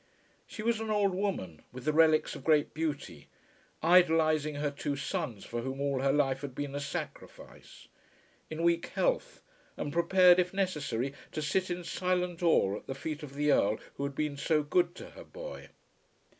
She was an old woman, with the relics of great beauty, idolizing her two sons for whom all her life had been a sacrifice, in weak health, and prepared, if necessary, to sit in silent awe at the feet of the Earl who had been so good to her boy.